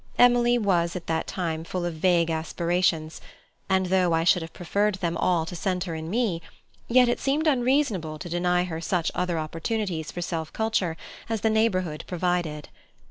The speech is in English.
Emily was at that time full of vague aspirations, and, though I should have preferred them all to centre in me, yet it seemed unreasonable to deny her such other opportunities for self culture as the neighbourhood provided.